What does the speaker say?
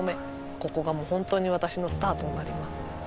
ここがもうホントに私のスタートになります